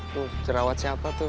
tuh jerawat siapa tuh